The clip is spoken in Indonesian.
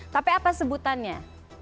tapi apa sebutannya